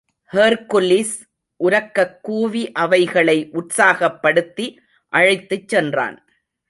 Hercules உரக்கக் கூவி அவைகளை உற்சாகப்படுத்தி அழைத்துச் சென்றான்.